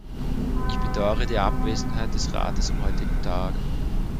Ich bedauere die Abwesenheit des Rates am heutigen Tag.